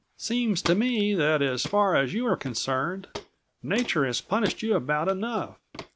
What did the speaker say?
"Seems to me that as far as you are concerned, nature has punished you about enough.